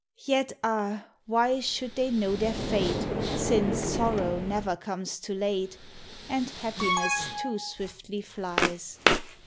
Yet, ah ! why should they know their fate, Since sorrow never comes too late, And happiness too swiftly flies?